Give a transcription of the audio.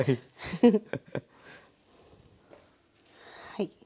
はい。